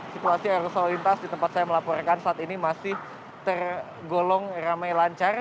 situasi arus lalu lintas di tempat saya melaporkan saat ini masih tergolong ramai lancar